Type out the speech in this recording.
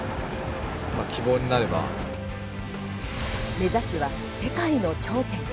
目指すは、世界の頂点。